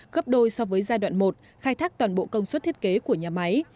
gấp đôi so với giai đoạn một khai thác toàn bộ công suất thiết kế của nhà máy